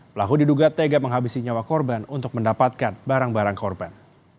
pelaku diduga tega menghabisi nyawa korban untuk mendapatkan barang barang korban